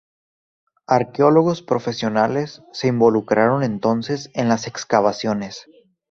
Arqueólogos profesionales se involucraron entonces en las excavaciones.